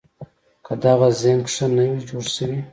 که دغه زېنک ښه نه وي جوړ شوي